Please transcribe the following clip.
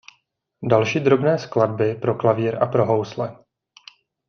Další drobné skladby pro klavír a pro housle.